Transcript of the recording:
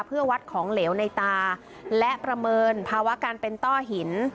เพื่อวัดของเหลวในตาและประเมินภาวะการเป็นต้อหิน